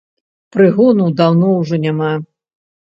Прыгону даўно ўжо няма.